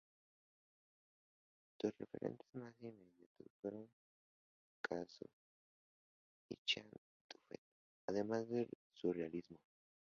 Sus referentes más inmediatos fueron Picasso y Jean Dubuffet, además del Surrealismo.